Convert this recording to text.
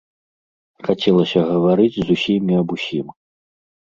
Хацелася гаварыць з усімі аб усім.